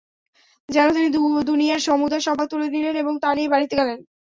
যেন তিনি দুনিয়ার সমুদয় সম্পদ তুলে নিলেন এবং তা নিয়ে বাড়ীতে গেলেন।